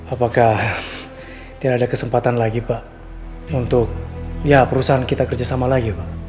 apakah tidak ada kesempatan lagi pak untuk ya perusahaan kita kerja sama lagi pak